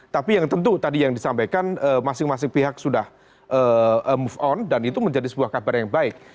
tapi yang tentu tadi yang disampaikan masing masing pihak sudah move on dan itu menjadi sebuah kabar yang baik